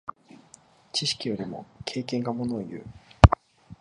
知識よりも経験がものをいう。